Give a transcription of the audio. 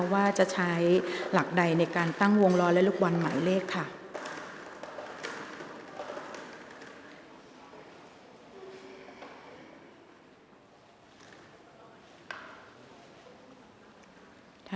ว่าจะใช้หลักใดในการตั้งวงล้อและลูกบอลหมายเลขค่ะ